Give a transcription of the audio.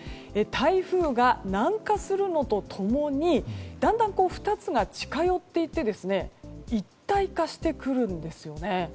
台風が南下するのと共にだんだん２つが近寄っていって一体化してくるんですね。